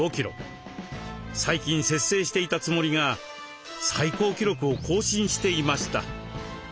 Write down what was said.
最近節制していたつもりが最高記録を更新していました。